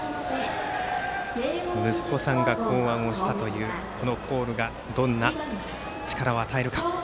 息子さんが考案をしたというコールがどんな力を与えるか。